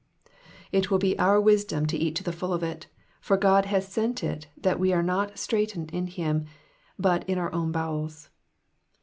It will be our wisdom to eat to the full of it, for God has so sent it that we are not straitened in him, but in our own bowels.